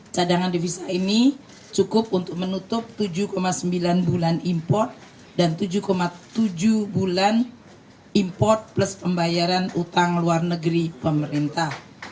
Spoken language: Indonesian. cadangan devisa ini cukup untuk menutup tujuh sembilan bulan impor dan tujuh tujuh bulan import plus pembayaran utang luar negeri pemerintah